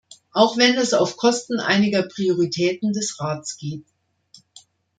Auch wenn das auf Kosten einiger Prioritäten des Rats geht.